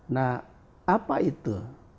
nah apa itu